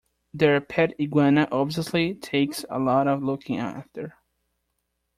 Their pet iguana obviously takes a lot of looking after.